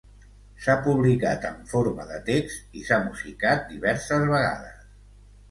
S'ha publicat en forma de text i s'ha musicat diverses vegades.